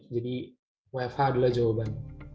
jadi wfh adalah jawaban